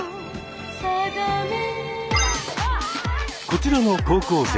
こちらの高校生。